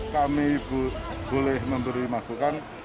kami boleh memberi masukan